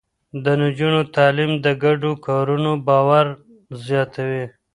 د نجونو تعليم د ګډو کارونو باور زياتوي.